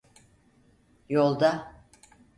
Yolda…